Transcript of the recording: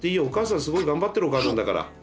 お母さんすごい頑張ってるお母さんだから。